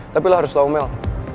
tapi lo harus tau mel